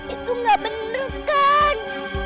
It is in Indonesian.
itu gak bener kan